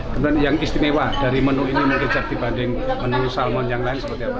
kemudian yang istimewa dari menu ini mungkin dibanding menu salmon yang lain seperti apa